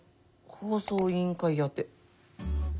放送委員会宛て。